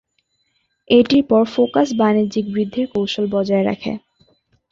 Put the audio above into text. এটির পর, ফোকাস বাণিজ্যিক বৃদ্ধির কৌশল বজায় রাখে।